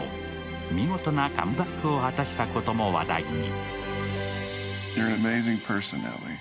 見事なカムバックを果たしたことも話題に。